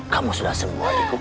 kamu sudah sembuh adikku